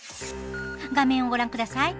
画面をご覧下さい。